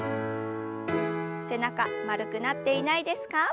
背中丸くなっていないですか？